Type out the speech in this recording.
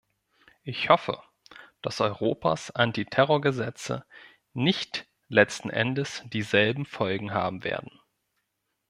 Ich hoffe, dass Europas Antiterrorgesetze nicht letzten Endes dieselben Folgen haben werden.